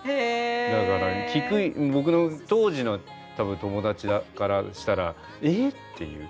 だから僕の当時の多分友達からしたら「え！」っていう。